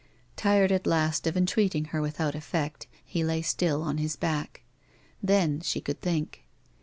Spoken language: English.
Tired at last of entreating her without effect, he lay still on his back ; then she could think.